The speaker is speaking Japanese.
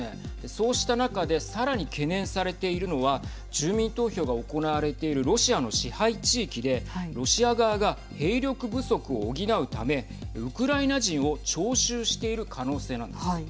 そうした中でさらに懸念されているのは住民投票が行われているロシアの支配地域でロシア側が兵力不足を補うためウクライナ人を徴収している可能性なんです。